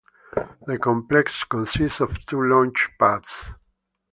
The complex consists of two launch pads.